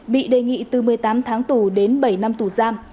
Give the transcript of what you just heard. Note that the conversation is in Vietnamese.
bị đề nghị từ một mươi tám tháng tù đến bảy năm tù giam